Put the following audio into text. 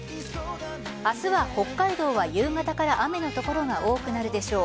明日は、北海道は夕方から雨の所が多くなるでしょう。